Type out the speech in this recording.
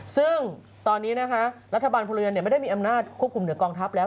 ซึ่งตอนนี้นะคะรัฐบาลพลเรือนไม่ได้มีอำนาจควบคุมเหนือกองทัพแล้ว